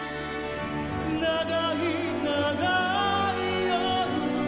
「長い長い夜」